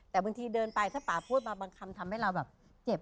แต่บางทีเดินไปถ้าป่าพูดมาบางคำทำให้เราแบบเจ็บ